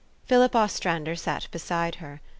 Philip Ostrander sat beside her.